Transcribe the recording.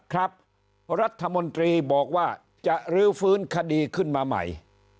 ครับรัฐมนตรีบอกว่าจะรื้อฟื้นคดีขึ้นมาใหม่